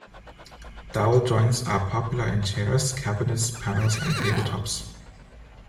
Dowel joints are popular in chairs, cabinets, panels and tabletops.